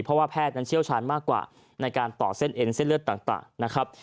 เพราะว่าแพทย์นั้นเชี่ยวชาญมากกว่าในการต่อเส้นเอ็นเส้นเลือดต่างนะครับ